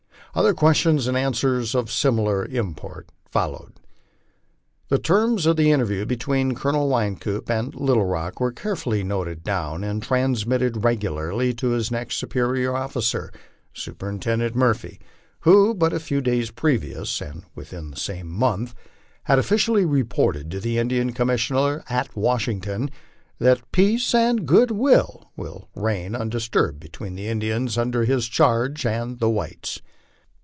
Other questions and answers of similar import followed. The terms of the interview between Colonel Wynkoop and Little Rock were carefully noted down and transmitted regularly to his next superior offi cer, Superintendent Murphy, who but a few days previous, and within the came month, had officially reported to the Indian Commissioner at Washing ton that peace and good will reigned undisturbed between the Indians under his charge and the whites.